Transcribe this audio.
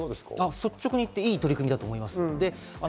率直に言って、いい取り組みだと思います。